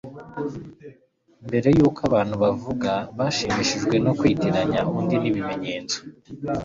mbere yuko abantu bavuga, bashimishijwe no kwitiranya undi n'ibimenyetso